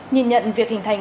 nhìn nhận việc hình thành